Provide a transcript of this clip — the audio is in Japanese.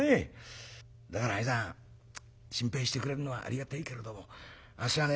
だから兄さん心配してくれるのはありがてえけれどもあっしはね